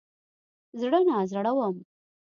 زړه نازړه وم.